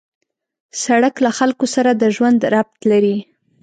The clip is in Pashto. سړک له خلکو سره د ژوند ربط لري.